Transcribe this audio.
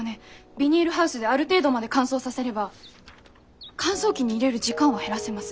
ビニールハウスである程度まで乾燥させれば乾燥機に入れる時間は減らせます。